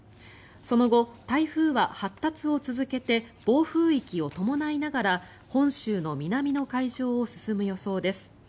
その後、台風は発達を続けて暴風域を伴いながら本州の南の海上を進む予想です。